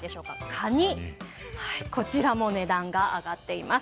カニも値段が上がっています。